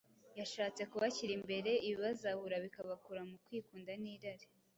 yashatse kubashyira imbere ibibazahura bikabakura mu kwikunda n’irari,